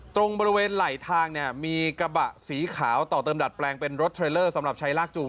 ตรงบริเวณไหลทางเนี่ยมีกระบะสีขาวต่อเติมดัดแปลงเป็นรถเทรลเลอร์สำหรับใช้ลากจูง